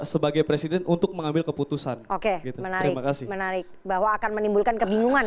sebagai presiden untuk mengambil keputusan oke menarik menarik bahwa akan menimbulkan kebingungan